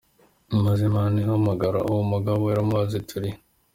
Maze Imana ihamagara uwo mugabo iramubaza iti uri he?.